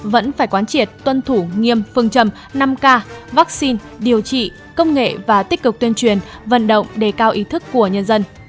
vẫn phải quán triệt tuân thủ nghiêm phương trầm năm k vaccine điều trị công nghệ và tích cực tuyên truyền vận động đề cao ý thức của nhân dân